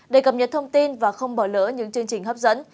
để cập nhật thông tin và không bỏ lỡ những chương trình hấp dẫn